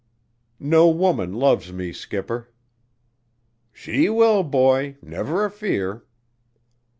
"No woman loves me, skipper." "She will, boy never a fear."